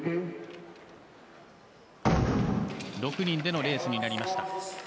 ６人でのレースになりました。